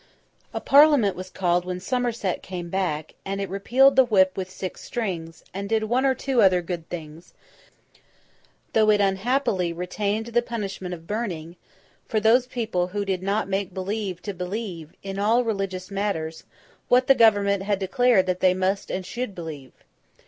A Parliament was called when Somerset came back, and it repealed the whip with six strings, and did one or two other good things; though it unhappily retained the punishment of burning for those people who did not make believe to believe, in all religious matters, what the Government had declared that they must and should believe.